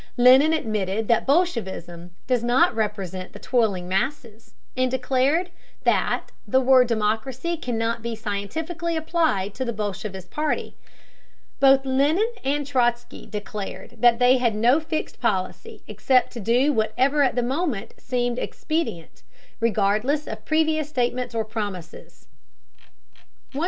Lenin admitted that bolshevism "does not represent the toiling masses," and declared that "the word democracy cannot be scientifically applied to the bolshevist party." Both Lenin and Trotzky declared that they had no fixed policy except to do whatever at the moment seemed expedient, regardless of previous statements or promises. 150.